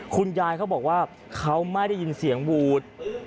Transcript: คุณยายเขาบอกว่าเขาไม่ได้ยินเสียงวูฒล์